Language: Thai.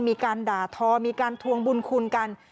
มีการด่าทอมีการทวงบุญคุณกัน